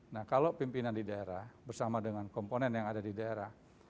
nah kalau pimpinan di daerah bersama dengan komponen yang ada di daerah